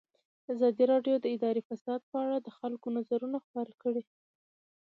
ازادي راډیو د اداري فساد په اړه د خلکو نظرونه خپاره کړي.